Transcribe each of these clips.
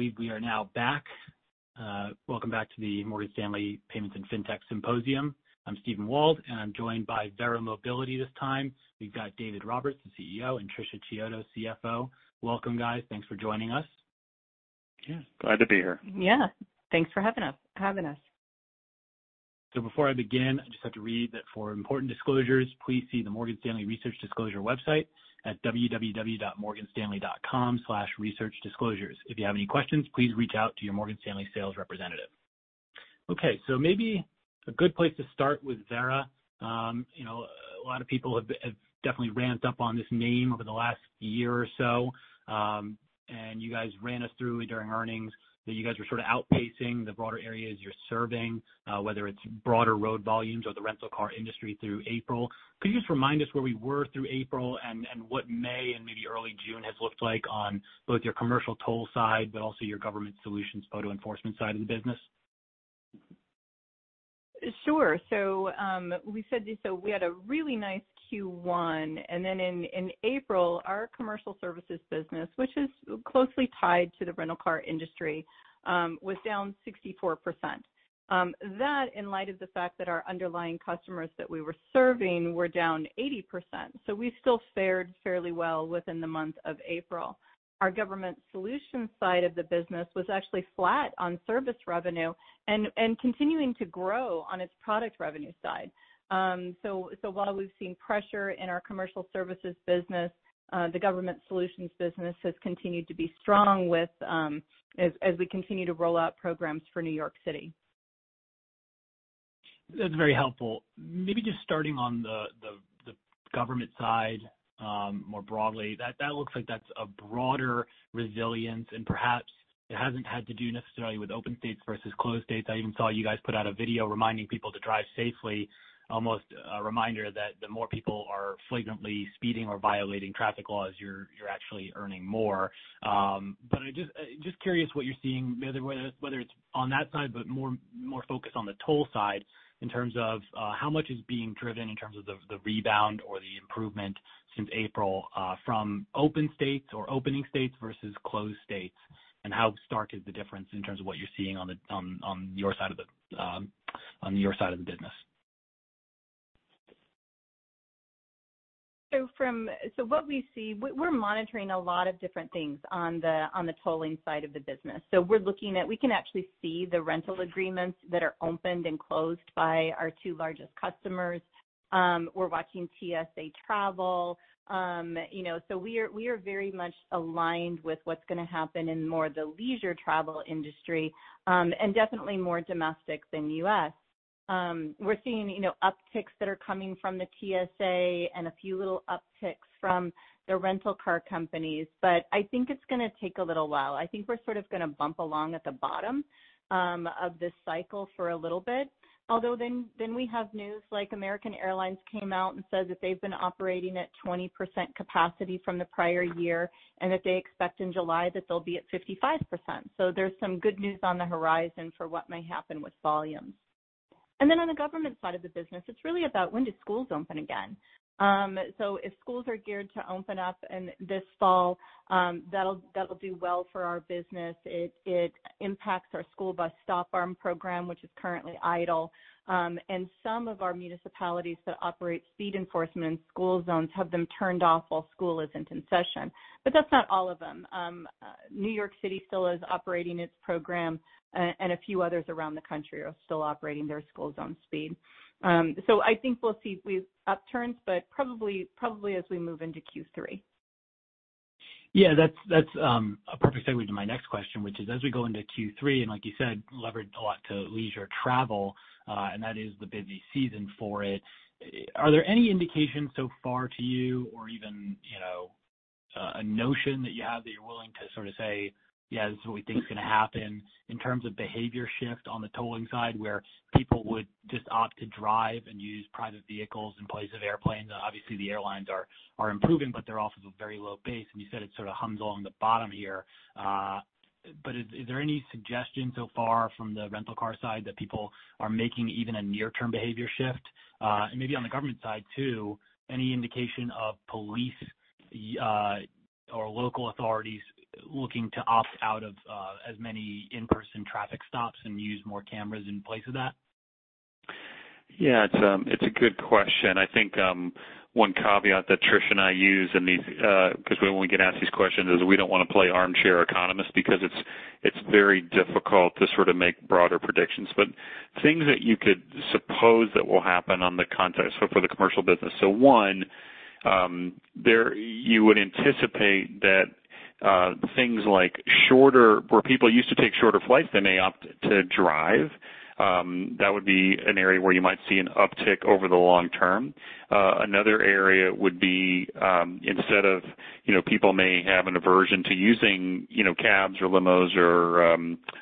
I believe we are now back. Welcome back to the Morgan Stanley Payments and Fintech Symposium. I'm Steven Wald, and I'm joined by Verra Mobility this time. We've got David Roberts, the CEO, and Tricia Chiodo, CFO. Welcome, guys. Thanks for joining us. Yeah. Glad to be here. Yeah. Thanks for having us. Before I begin, I just have to read that for important disclosures, please see the Morgan Stanley Research Disclosure website at www.morganstanley.com/researchdisclosures. If you have any questions, please reach out to your Morgan Stanley sales representative. Okay. Maybe a good place to start with Verra. A lot of people have definitely ramped up on this name over the last year or so. You guys ran us through during earnings that you guys were sort of outpacing the broader areas you're serving, whether it's broader road volumes or the rental car industry through April. Could you just remind us where we were through April and what May and maybe early June has looked like on both your commercial toll side, but also your government solutions Photo Enforcement side of the business? Sure. We said we had a really nice Q1, and then in April, our commercial services business, which is closely tied to the rental car industry, was down 64%. That in light of the fact that our underlying customers that we were serving were down 80%. We still fared fairly well within the month of April. Our government solutions side of the business was actually flat on service revenue and continuing to grow on its product revenue side. While we've seen pressure in our commercial services business, the government solutions business has continued to be strong as we continue to roll out programs for New York City. That's very helpful. Just starting on the government side, more broadly. That looks like that's a broader resilience and perhaps it hasn't had to do necessarily with open states versus closed states. I even saw you guys put out a video reminding people to drive safely, almost a reminder that the more people are flagrantly speeding or violating traffic laws, you're actually earning more. Just curious what you're seeing, whether it's on that side, but more focused on the toll side in terms of how much is being driven in terms of the rebound or the improvement since April from open states or opening states versus closed states, and how stark is the difference in terms of what you're seeing on your side of the business? What we see, we're monitoring a lot of different things on the tolling side of the business. We're looking at, we can actually see the rental agreements that are opened and closed by our two largest customers. We're watching TSA travel. We are very much aligned with what's going to happen in more of the leisure travel industry, and definitely more domestic than U.S. We're seeing upticks that are coming from the TSA and a few little upticks from the rental car companies. I think it's going to take a little while. I think we're sort of going to bump along at the bottom of this cycle for a little bit. Although then we have news like American Airlines came out and said that they've been operating at 20% capacity from the prior year, and that they expect in July that they'll be at 55%. There's some good news on the horizon for what may happen with volumes. On the government side of the business, it's really about when do schools open again. If schools are geared to open up in this fall, that'll do well for our business. It impacts our school bus stop arm program, which is currently idle. Some of our municipalities that operate speed enforcement in school zones have them turned off while school isn't in session. That's not all of them. New York City still is operating its program, and a few others around the country are still operating their School Zone Speed. I think we'll see these upturns, but probably as we move into Q3. Yeah, that's a perfect segue to my next question, which is as we go into Q3, and like you said, levered a lot to leisure travel, and that is the busy season for it. Are there any indications so far to you or even a notion that you have that you're willing to sort of say, "Yeah, this is what we think is going to happen," in terms of behavior shift on the tolling side where people would just opt to drive and use private vehicles in place of airplanes? Obviously, the airlines are improving, but they're off of a very low base. You said it sort of hums along the bottom here. Is there any suggestion so far from the rental car side that people are making even a near-term behavior shift? Maybe on the government side too, any indication of police or local authorities looking to opt out of as many in-person traffic stops and use more cameras in place of that? Yeah, it's a good question. I think one caveat that Trish and I use in these, because when we get asked these questions, is we don't want to play armchair economist because it's very difficult to sort of make broader predictions. Things that you could suppose that will happen on the context for the commercial business. One, you would anticipate that things like where people used to take shorter flights, they may opt to drive. That would be an area where you might see an uptick over the long term. Another area would be instead of people may have an aversion to using cabs or limos or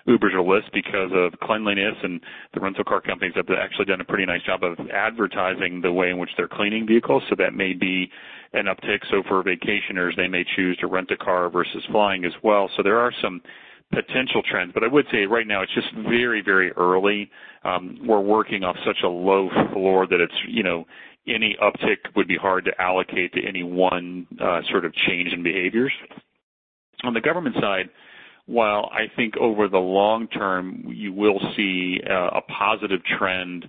Ubers or Lyfts because of cleanliness, and the rental car companies have actually done a pretty nice job of advertising the way in which they're cleaning vehicles. That may be an uptick. For vacationers, they may choose to rent a car versus flying as well. There are some potential trends. I would say right now it's just very early. We're working off such a low floor that any uptick would be hard to allocate to any one sort of change in behaviors. On the government side, while I think over the long term, you will see a positive trend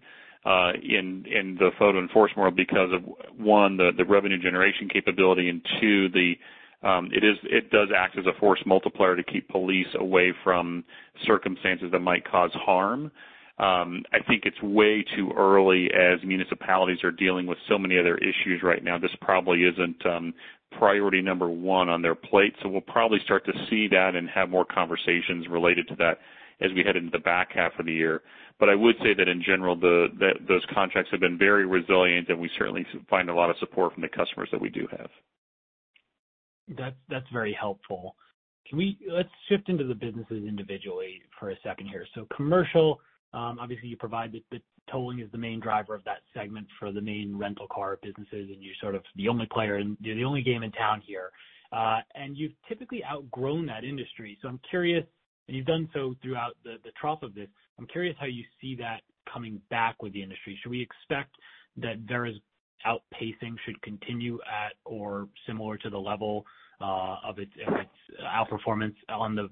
in the photo enforcement world because of, one, the revenue generation capability, and two, it does act as a force multiplier to keep police away from circumstances that might cause harm. I think it's way too early as municipalities are dealing with so many other issues right now. This probably isn't priority number one on their plate. We'll probably start to see that and have more conversations related to that as we head into the back half of the year. I would say that in general, those contracts have been very resilient, and we certainly find a lot of support from the customers that we do have. That's very helpful. Let's shift into the businesses individually for a second here. Commercial, obviously you provide the tolling as the main driver of that segment for the main rental car businesses, and you're sort of the only player and you're the only game in town here. You've typically outgrown that industry. You've done so throughout the trough of this. I'm curious how you see that coming back with the industry. Should we expect that Verra's outpacing should continue at or similar to the level of its outperformance on the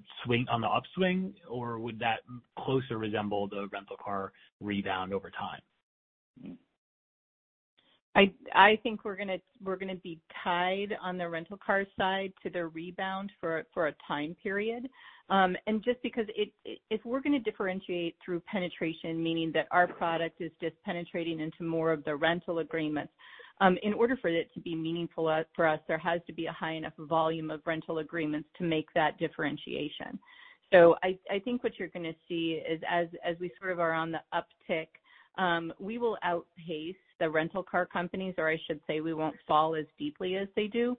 upswing, or would that closer resemble the rental car rebound over time? I think we're going to be tied on the rental car side to the rebound for a time period. Just because if we're going to differentiate through penetration, meaning that our product is just penetrating into more of the rental agreements. In order for it to be meaningful for us, there has to be a high enough volume of rental agreements to make that differentiation. I think what you're going to see is as we sort of are on the uptick, we will outpace the rental car companies, or I should say we won't fall as deeply as they do.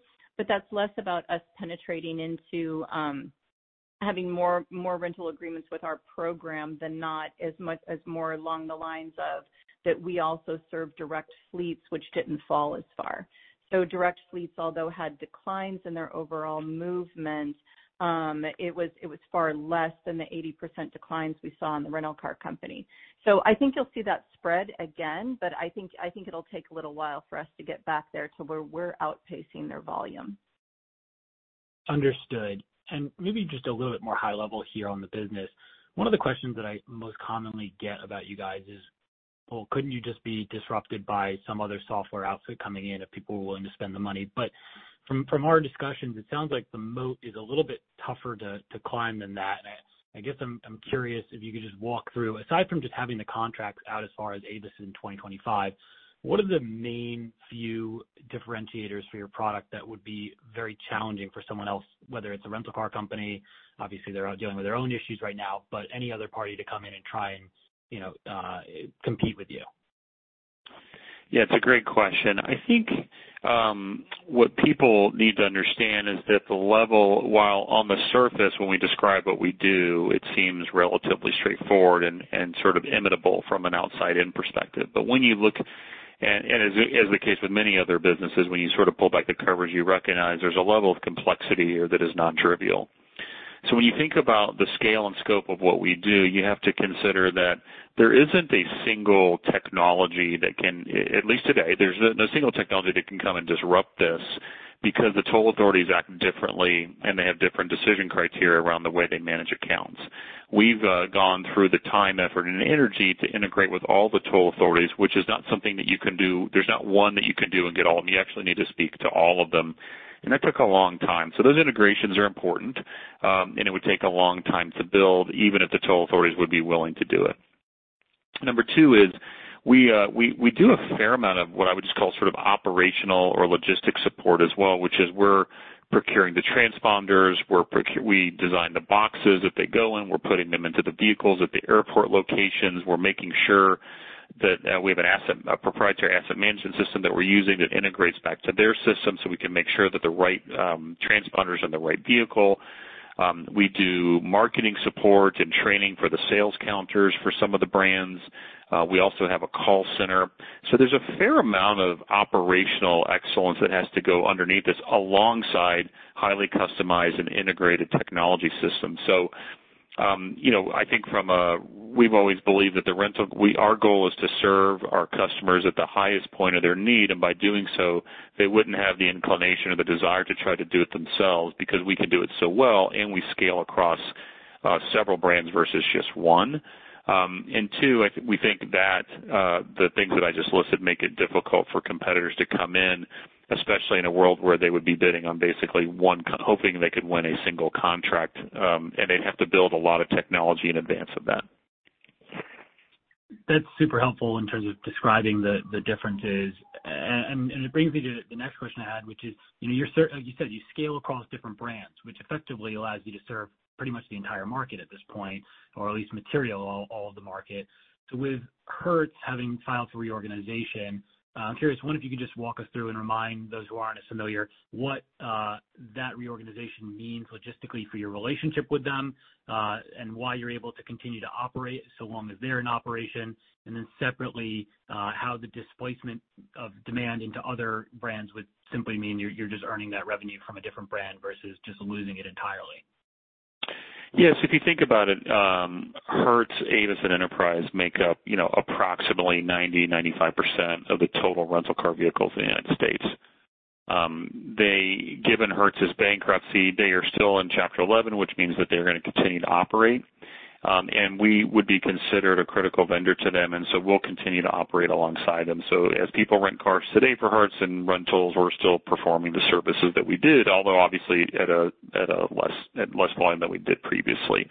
That's less about us penetrating into having more rental agreements with our program than not as more along the lines of that we also serve direct fleets, which didn't fall as far. Direct fleets, although had declines in their overall movement, it was far less than the 80% declines we saw in the rental car company. I think you'll see that spread again, but I think it'll take a little while for us to get back there to where we're outpacing their volume. Understood. Maybe just a little bit more high level here on the business. One of the questions that I most commonly get about you guys is, well, couldn't you just be disrupted by some other software outfit coming in if people were willing to spend the money? From our discussions, it sounds like the moat is a little bit tougher to climb than that. I guess I'm curious if you could just walk through, aside from just having the contracts out as far as Avis in 2025, what are the main few differentiators for your product that would be very challenging for someone else, whether it's a rental car company, obviously they're dealing with their own issues right now, but any other party to come in and try and compete with you? Yeah, it's a great question. I think what people need to understand is that the level, while on the surface when we describe what we do, it seems relatively straightforward and sort of imitable from an outside-in perspective. When you look, and as the case with many other businesses, when you sort of pull back the covers, you recognize there's a level of complexity here that is not trivial. When you think about the scale and scope of what we do, you have to consider that there isn't a single technology that can, at least today, there's no single technology that can come and disrupt this because the toll authorities act differently, and they have different decision criteria around the way they manage accounts. We've gone through the time, effort, and energy to integrate with all the toll authorities, which is not something that you can do. There's not one that you can do and get all of them. You actually need to speak to all of them. That took a long time. Those integrations are important. It would take a long time to build, even if the toll authorities would be willing to do it. Number two is we do a fair amount of what I would just call sort of operational or logistics support as well, which is we're procuring the transponders. We design the boxes that they go in. We're putting them into the vehicles at the airport locations. We're making sure that we have a proprietary asset management system that we're using that integrates back to their system so we can make sure that the right transponder's in the right vehicle. We do marketing support and training for the sales counters for some of the brands. We also have a call center. There's a fair amount of operational excellence that has to go underneath this alongside highly customized and integrated technology systems. We've always believed that our goal is to serve our customers at the highest point of their need, and by doing so, they wouldn't have the inclination or the desire to try to do it themselves because we can do it so well, and we scale across several brands versus just one. Two, we think that the things that I just listed make it difficult for competitors to come in, especially in a world where they would be bidding on basically hoping they could win a single contract, and they'd have to build a lot of technology in advance of that. That's super helpful in terms of describing the differences. It brings me to the next question I had, which is, like you said, you scale across different brands, which effectively allows you to serve pretty much the entire market at this point, or at least material all of the market. With Hertz having filed for reorganization, I'm curious, I wonder if you could just walk us through and remind those who aren't as familiar what that reorganization means logistically for your relationship with them, and why you're able to continue to operate so long as they're in operation. Then separately, how the displacement of demand into other brands would simply mean you're just earning that revenue from a different brand versus just losing it entirely. Yes. If you think about it, Hertz, Avis, and Enterprise make up approximately 90%, 95% of the total rental car vehicles in the U.S. Given Hertz's bankruptcy, they are still in Chapter 11, which means that they're going to continue to operate. We would be considered a critical vendor to them, so we'll continue to operate alongside them. As people rent cars today for Hertz and rentals, we're still performing the services that we did, although obviously at less volume than we did previously.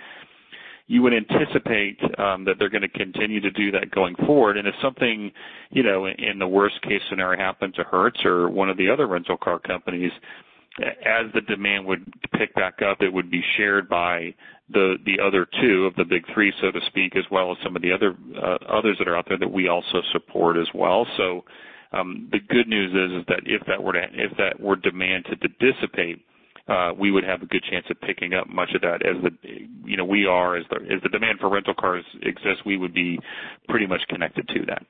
You would anticipate that they're going to continue to do that going forward. If something in the worst-case scenario happened to Hertz or one of the other rental car companies, as the demand would pick back up, it would be shared by the other two of the big three, so to speak, as well as some of the others that are out there that we also support as well. The good news is that if that were demand to dissipate, we would have a good chance of picking up much of that. As the demand for rental cars exists, we would be pretty much connected to that.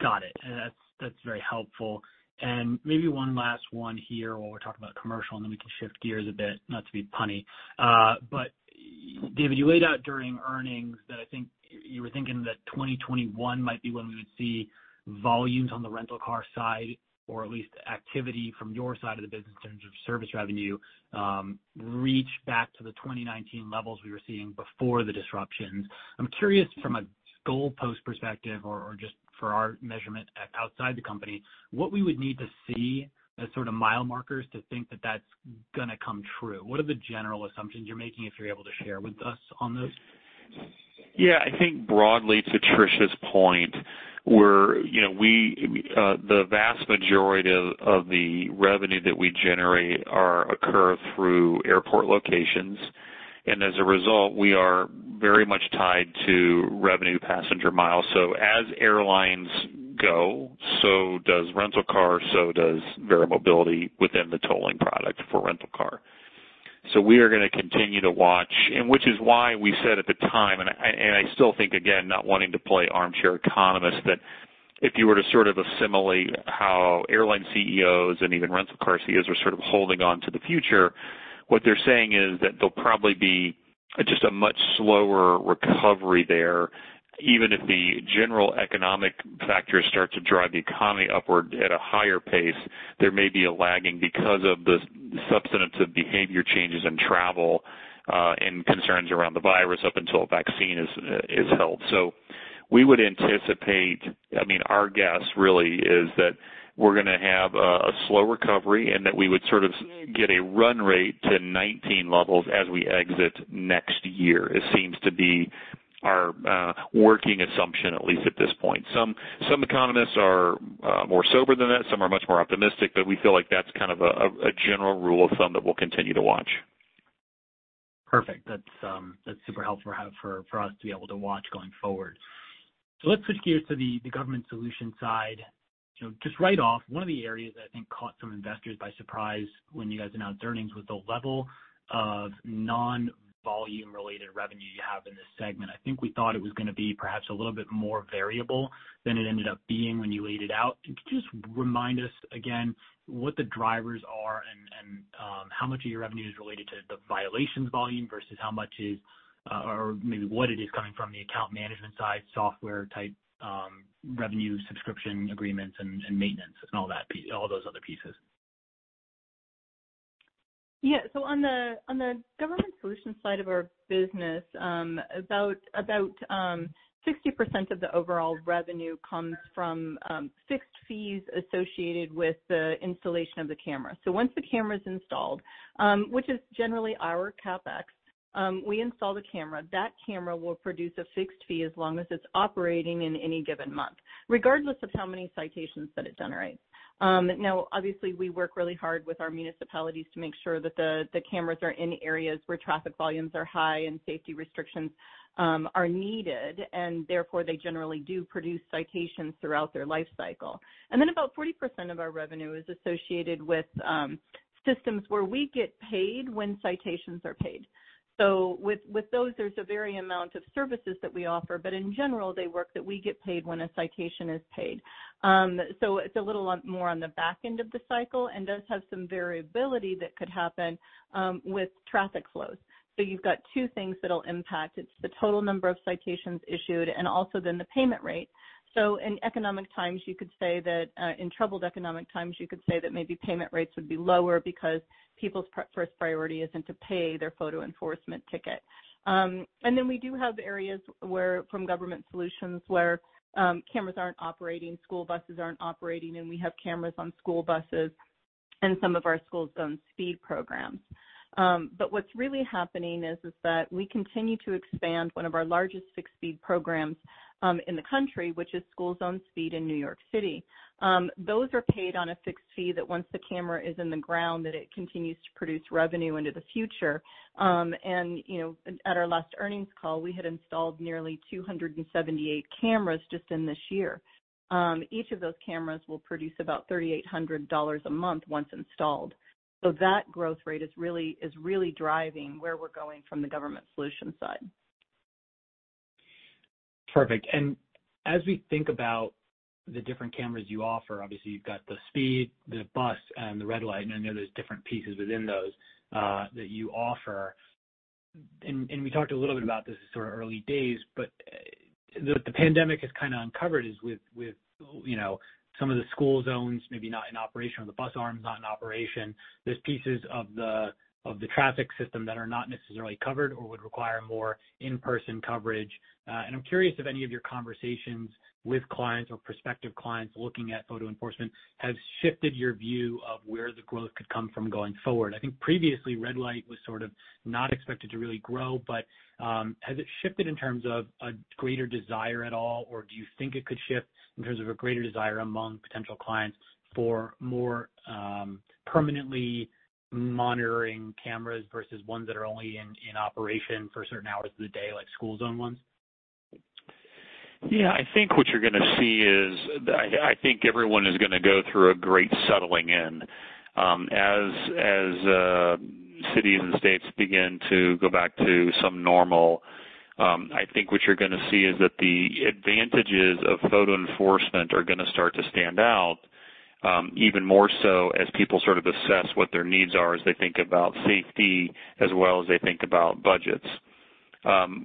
Got it. That's very helpful. Maybe one last one here while we're talking about commercial, and then we can shift gears a bit, not to be punny. David, you laid out during earnings that I think you were thinking that 2021 might be when we would see volumes on the rental car side, or at least activity from your side of the business in terms of service revenue, reach back to the 2019 levels we were seeing before the disruption. I'm curious from a goal post perspective or just for our measurement outside the company, what we would need to see as sort of mile markers to think that that's going to come true. What are the general assumptions you're making if you're able to share with us on those? Yeah, I think broadly, to Tricia's point, the vast majority of the revenue that we generate occur through airport locations. As a result, we are very much tied to revenue passenger miles. As airlines go, so does rental cars, so does Verra Mobility within the tolling product for rental car. We are going to continue to watch, and which is why we said at the time, and I still think, again, not wanting to play armchair economist, that if you were to sort of assimilate how airline CEOs and even rental car CEOs are sort of holding on to the future, what they're saying is that there'll probably be just a much slower recovery there. Even if the general economic factors start to drive the economy upward at a higher pace, there may be a lagging because of the substantive behavior changes in travel and concerns around the virus up until a vaccine is held. We would anticipate, our guess really is that we're going to have a slow recovery and that we would sort of get a run rate to 2019 levels as we exit next year. It seems to be our working assumption, at least at this point. Some economists are more sober than that. Some are much more optimistic, but we feel like that's kind of a general rule of thumb that we'll continue to watch. Perfect. That's super helpful for us to be able to watch going forward. Let's switch gears to the Government Solutions side. Right off, one of the areas that I think caught some investors by surprise when you guys announced earnings was the level of non-volume related revenue you have in this segment. I think we thought it was going to be perhaps a little bit more variable than it ended up being when you laid it out. Could you just remind us again what the drivers are and how much of your revenue is related to the violations volume versus how much is, or maybe what it is coming from the account management side, software type revenue, subscription agreements, and maintenance and all those other pieces? Yeah. On the Government Solutions side of our business, about 60% of the overall revenue comes from fixed fees associated with the installation of the camera. Once the camera's installed, which is generally our CapEx, we install the camera. That camera will produce a fixed fee as long as it's operating in any given month, regardless of how many citations that it generates. Obviously, we work really hard with our municipalities to make sure that the cameras are in areas where traffic volumes are high and safety restrictions are needed, and therefore, they generally do produce citations throughout their life cycle. About 40% of our revenue is associated with systems where we get paid when citations are paid. With those, there's a varying amount of services that we offer. In general, they work that we get paid when a citation is paid. It's a little more on the back end of the cycle and does have some variability that could happen with traffic flows. You've got two things that'll impact. It's the total number of citations issued and also then the payment rate. In troubled economic times, you could say that maybe payment rates would be lower because people's first priority isn't to pay their photo enforcement ticket. We do have areas from Government Solutions where cameras aren't operating, school buses aren't operating, and we have cameras on school buses and some of our school zone speed programs. What's really happening is that we continue to expand one of our largest fixed speed programs in the country, which is School Zone Speed in New York City. Those are paid on a fixed fee that once the camera is in the ground, that it continues to produce revenue into the future. At our last earnings call, we had installed nearly 278 cameras just in this year. Each of those cameras will produce about $3,800 a month once installed. That growth rate is really driving where we're going from the Government Solutions side. Perfect. As we think about the different cameras you offer, obviously you've got the speed, the bus, and the red light, and I know there's different pieces within those that you offer. We talked a little bit about this as sort of early days, but what the pandemic has kind of uncovered is with some of the school zones, maybe not in operation, or the bus arms not in operation, there's pieces of the traffic system that are not necessarily covered or would require more in-person coverage. I'm curious if any of your conversations with clients or prospective clients looking at Photo Enforcement have shifted your view of where the growth could come from going forward. I think previously red light was sort of not expected to really grow. Has it shifted in terms of a greater desire at all? Do you think it could shift in terms of a greater desire among potential clients for more permanently monitoring cameras versus ones that are only in operation for certain hours of the day, like school zone ones? Yeah. I think what you're going to see is, I think everyone is going to go through a great settling in. As cities and states begin to go back to some normal, I think what you're going to see is that the advantages of photo enforcement are going to start to stand out even more so as people sort of assess what their needs are as they think about safety as well as they think about budgets.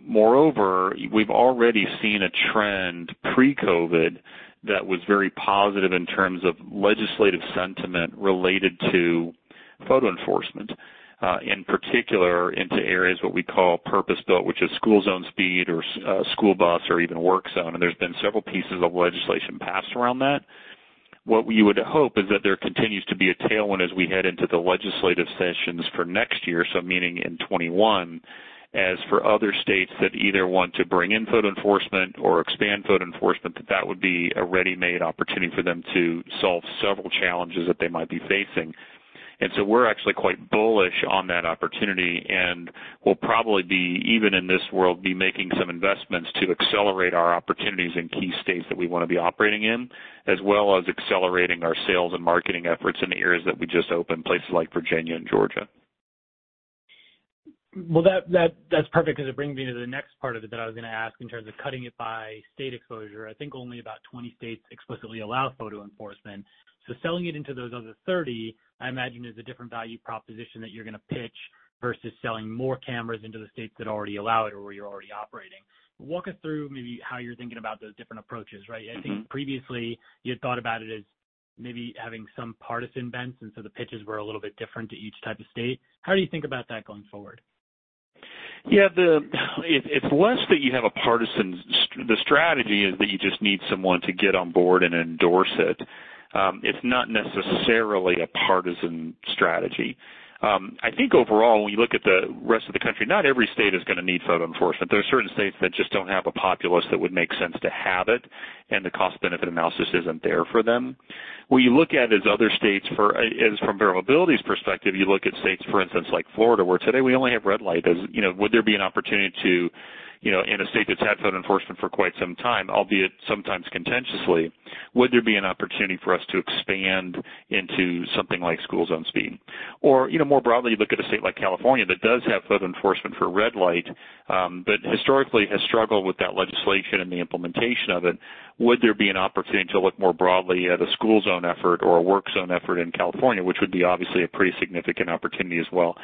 Moreover, we've already seen a trend pre-COVID that was very positive in terms of legislative sentiment related to photo enforcement, in particular into areas what we call purpose-built, which is school zone speed or school bus or even work zone. There's been several pieces of legislation passed around that. What we would hope is that there continues to be a tailwind as we head into the legislative sessions for next year, so meaning in 2021, as for other states that either want to bring in photo enforcement or expand photo enforcement, that that would be a ready-made opportunity for them to solve several challenges that they might be facing. We're actually quite bullish on that opportunity, and we'll probably be, even in this world, be making some investments to accelerate our opportunities in key states that we want to be operating in, as well as accelerating our sales and marketing efforts in areas that we just opened, places like Virginia and Georgia. Well, that's perfect because it brings me to the next part of it that I was going to ask in terms of cutting it by state exposure. I think only about 20 states explicitly allow photo enforcement. Selling it into those other 30, I imagine, is a different value proposition that you're going to pitch versus selling more cameras into the states that already allow it or where you're already operating. Walk us through maybe how you're thinking about those different approaches, right? I think previously you had thought about it as maybe having some partisan bent, and so the pitches were a little bit different to each type of state. How do you think about that going forward? Yeah. It's less that you have a partisan. The strategy is that you just need someone to get on board and endorse it. It's not necessarily a partisan strategy. I think overall, when you look at the rest of the country, not every state is going to need photo enforcement. There are certain states that just don't have a populace that would make sense to have it, and the cost-benefit analysis isn't there for them. Where you look at is other states for, as from Verra Mobility's perspective, you look at states, for instance, like Florida, where today we only have red light as. Would there be an opportunity to, in a state that's had photo enforcement for quite some time, albeit sometimes contentiously, would there be an opportunity for us to expand into something like school zone speed? More broadly, you look at a state like California that does have photo enforcement for red light, but historically has struggled with that legislation and the implementation of it. Would there be an opportunity to look more broadly at a school zone effort or a work zone effort in California, which would be obviously a pretty significant opportunity as well?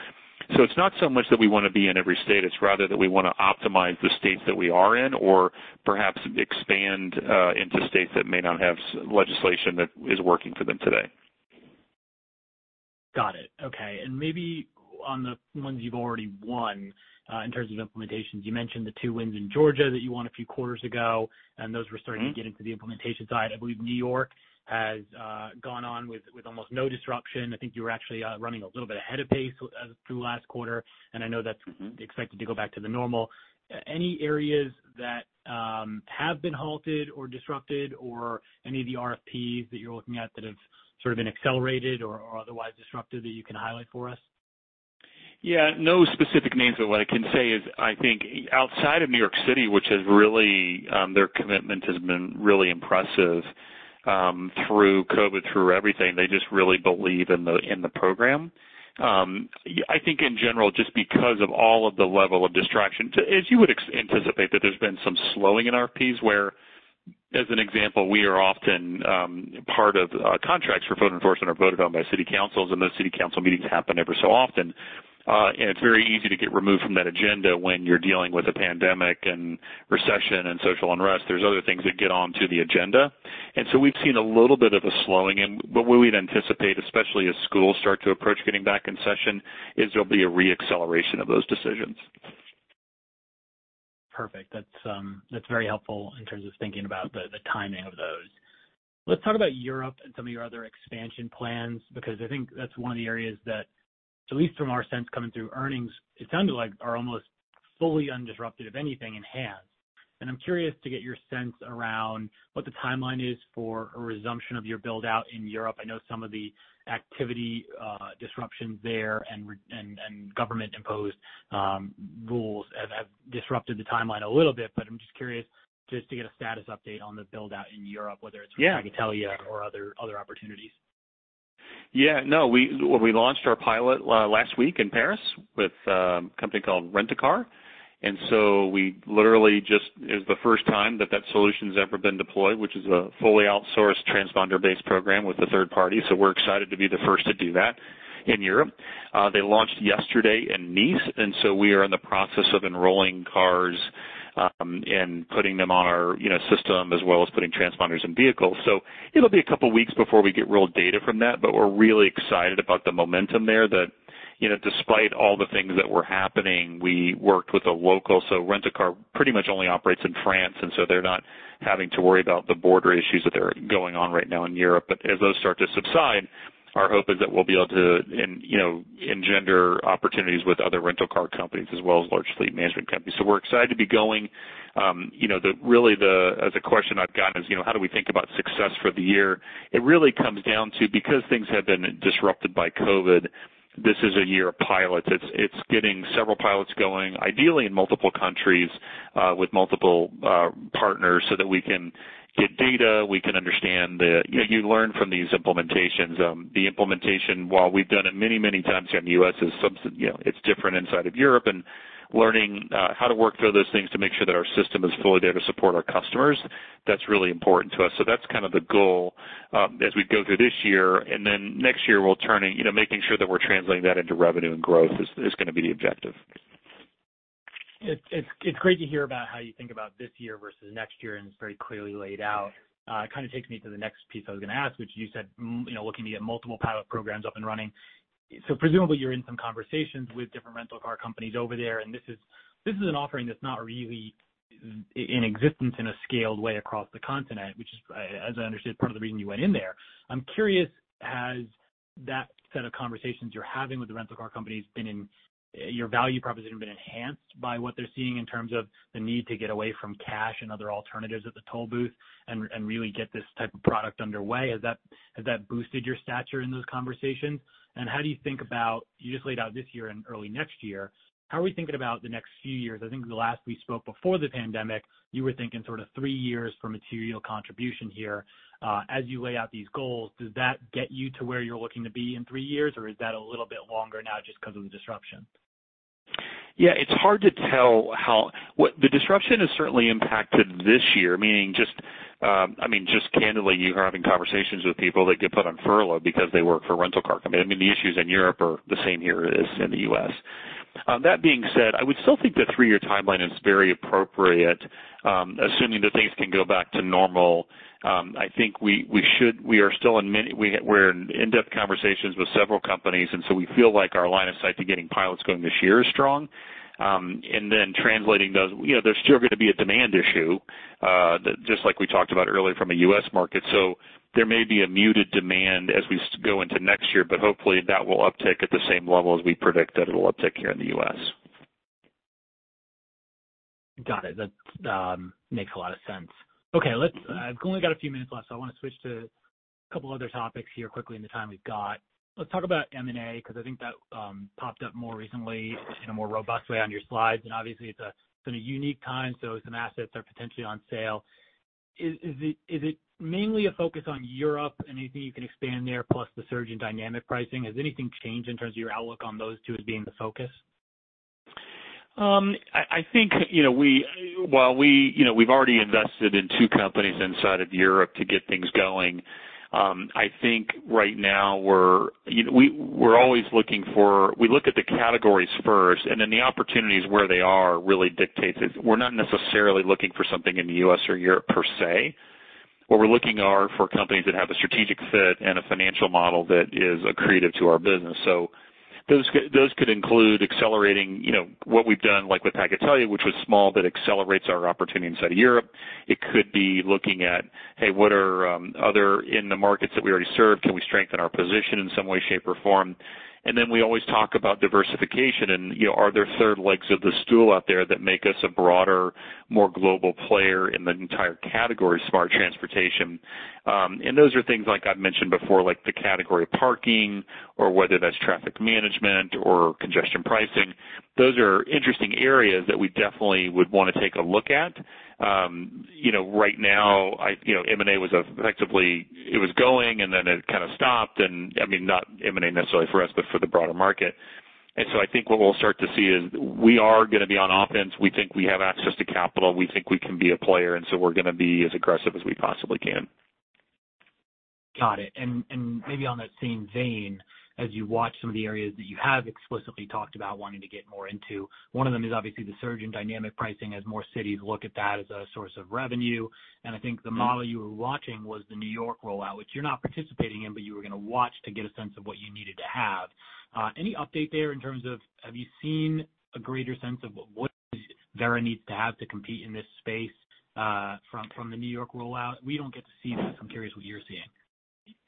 It's not so much that we want to be in every state, it's rather that we want to optimize the states that we are in or perhaps expand into states that may not have legislation that is working for them today. Got it. Okay. Maybe on the ones you've already won, in terms of implementations, you mentioned the two wins in Georgia that you won a few quarters ago [and those that were starting] to get into the implementation side. I believe New York has gone on with almost no disruption. I think you were actually running a little bit ahead of pace through last quarter. [I know that they are] expected to go back to the normal. Any areas that have been halted or disrupted, or any of the RFPs that you're looking at that have sort of been accelerated or otherwise disrupted that you can highlight for us? No specific names, but what I can say is I think outside of New York City, which has really, their commitment has been really impressive through COVID, through everything. They just really believe in the program. I think in general, just because of all of the level of distraction, as you would anticipate, that there's been some slowing in RFPs where, as an example, we are often part of contracts for photo enforcement are voted on by city councils, and those city council meetings happen every so often. It's very easy to get removed from that agenda when you're dealing with a pandemic and recession and social unrest. There's other things that get onto the agenda. We've seen a little bit of a slowing, and what we would anticipate, especially as schools start to approach getting back in session, is there'll be a re-acceleration of those decisions. Perfect. That's very helpful in terms of thinking about the timing of those. Let's talk about Europe and some of your other expansion plans, because I think that's one of the areas that, at least from our sense coming through earnings, it sounded like are almost fully undisrupted, if anything, enhanced. I'm curious to get your sense around what the timeline is for a resumption of your build-out in Europe. I know some of the activity disruption there and government-imposed rules have disrupted the timeline a little bit, but I'm just curious to get a status update on the build-out in Europe, whether it's- Yeah With Telepass or other opportunities. We launched our pilot last week in Paris with a company called Rent a Car. We literally just, it was the first time that that solution's ever been deployed, which is a fully outsourced transponder-based program with a third party. We're excited to be the first to do that in Europe. They launched yesterday in Nice, and so we are in the process of enrolling cars, and putting them on our system, as well as putting transponders in vehicles. It'll be a couple of weeks before we get real data from that, but we're really excited about the momentum there that despite all the things that were happening, we worked with a local. Rent a Car pretty much only operates in France, and so they're not having to worry about the border issues that are going on right now in Europe. As those start to subside, our hope is that we'll be able to engender opportunities with other rental car companies as well as large fleet management companies. We're excited to be going. Really, the question I've gotten is, how do we think about success for the year? It really comes down to, because things have been disrupted by COVID, this is a year of pilots. It's getting several pilots going, ideally in multiple countries, with multiple partners so that we can get data, we can understand. You learn from these implementations. The implementation, while we've done it many, many times here in the U.S., it's different inside of Europe. Learning how to work through those things to make sure that our system is fully there to support our customers, that's really important to us. That's kind of the goal as we go through this year. Next year, making sure that we're translating that into revenue and growth is going to be the objective. It's great to hear about how you think about this year versus next year, and it's very clearly laid out. It kind of takes me to the next piece I was going to ask, which you said, looking to get multiple pilot programs up and running. Presumably you're in some conversations with different rental car companies over there, and this is an offering that's not really in existence in a scaled way across the continent, which is, as I understood, part of the reason you went in there. I'm curious, has that set of conversations you're having with the rental car companies, your value proposition been enhanced by what they're seeing in terms of the need to get away from cash and other alternatives at the toll booth and really get this type of product underway? Has that boosted your stature in those conversations? How do you think about, you just laid out this year and early next year, how are we thinking about the next few years? I think the last we spoke before the pandemic, you were thinking sort of three years for material contribution here. As you lay out these goals, does that get you to where you're looking to be in three years, or is that a little bit longer now just because of the disruption? Yeah, it is hard to tell how The disruption has certainly impacted this year, meaning just, candidly, you are having conversations with people that get put on furlough because they work for a rental car company. The issues in Europe are the same here as in the U.S. That being said, I would still think the three-year timeline is very appropriate, assuming that things can go back to normal. I think we are in in-depth conversations with several companies. We feel like our line of sight to getting pilots going this year is strong. Translating those, there is still going to be a demand issue, just like we talked about earlier from a U.S. market. There may be a muted demand as we go into next year, but hopefully that will uptick at the same level as we predict that it will uptick here in the U.S. Got it. That makes a lot of sense. Okay, I've only got a few minutes left, so I want to switch to a couple other topics here quickly in the time we've got. Let's talk about M&A, because I think that popped up more recently in a more robust way on your slides. Obviously it's been a unique time, so some assets are potentially on sale. Is it mainly a focus on Europe? Anything you can expand there, plus the surge in dynamic pricing, has anything changed in terms of your outlook on those two as being the focus? I think while we've already invested in two companies inside of Europe to get things going, I think right now We look at the categories first, then the opportunities where they are really dictates it. We're not necessarily looking for something in the U.S. or Europe per se. What we're looking are for companies that have a strategic fit and a financial model that is accretive to our business. Those could include accelerating what we've done, like with Pagatelia, which was small, that accelerates our opportunity inside of Europe. It could be looking at, hey, what are other in the markets that we already serve, can we strengthen our position in some way, shape, or form? We always talk about diversification and are there third legs of the stool out there that make us a broader, more global player in the entire category of smart transportation? Those are things like I've mentioned before, like the category of parking or whether that's traffic management or congestion pricing. Those are interesting areas that we definitely would want to take a look at. Right now, M&A was effectively, it was going and then it kind of stopped. I mean, not M&A necessarily for us, but for the broader market. I think what we'll start to see is we are going to be on offense. We think we have access to capital. We think we can be a player, we're going to be as aggressive as we possibly can. Got it. Maybe on that same vein, as you watch some of the areas that you have explicitly talked about wanting to get more into, one of them is obviously the surge in dynamic pricing as more cities look at that as a source of revenue. I think the model you were watching was the New York rollout, which you're not participating in, but you were going to watch to get a sense of what you needed to have. Any update there in terms of have you seen a greater sense of what Verra needs to have to compete in this space from the New York rollout? We don't get to see this. I'm curious what you're seeing.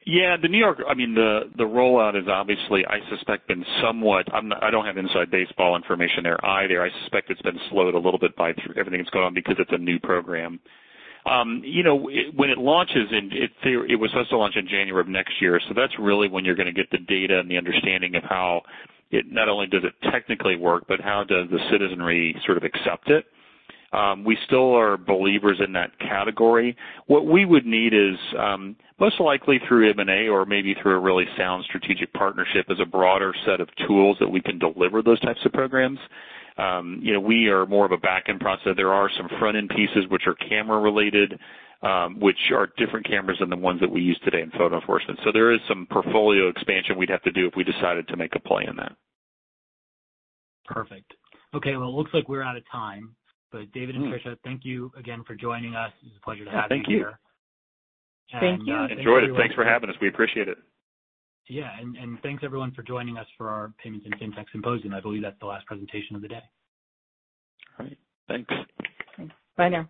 Yeah, the New York, the rollout has obviously, I suspect, been somewhat I don't have inside baseball information there either. I suspect it's been slowed a little bit by everything that's gone on because it's a new program. When it launches, it was supposed to launch in January of next year, so that's really when you're going to get the data and the understanding of how not only does it technically work, but how does the citizenry sort of accept it. We still are believers in that category. What we would need is, most likely through M&A or maybe through a really sound strategic partnership, is a broader set of tools that we can deliver those types of programs. We are more of a back-end processor. There are some front-end pieces which are camera related, which are different cameras than the ones that we use today in photo enforcement. There is some portfolio expansion we'd have to do if we decided to make a play in that. Perfect. Okay, well, it looks like we're out of time. David and Tricia, thank you again for joining us. It was a pleasure to have you here. Yeah, thank you. Thank you. Enjoyed it. Thanks for having us. We appreciate it. Yeah. Thanks everyone for joining us for our Payments and Fintech Symposium. I believe that's the last presentation of the day. All right, thanks. Thanks. Bye now.